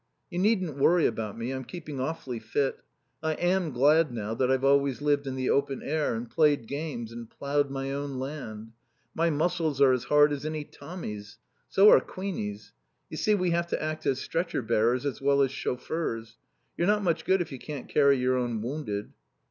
You needn't worry about me. I'm keeping awfully fit. I am glad now I've always lived in the open air and played games and ploughed my own land. My muscles are as hard as any Tommie's. So are Queenie's. You see, we have to act as stretcher bearers as well as chauffeurs. You're not much good if you can't carry your own wounded.